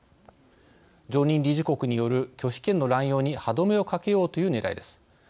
常任理事国による拒否権の乱用に歯止めをかけようというねらいです。